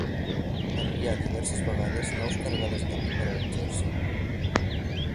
Envià diverses vegades naus carregades de vi per a l'exèrcit.